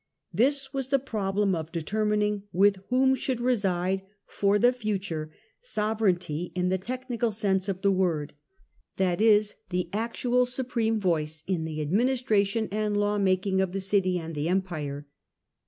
This was the problem of determining wiLh whom should reside for the future sovereignty, in the technical sense of the word, i.e, the actual supreme voice in the administration and law making of the City and the Empire.